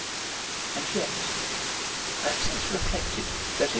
And yet I have since reflected that if M.